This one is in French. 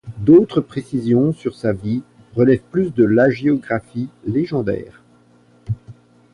D'autres précisions sur sa vie relèvent plus de l'hagiographie légendaire.